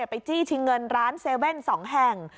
ไปจี้ชิงเงินร้านเซเว่นสองแห่ง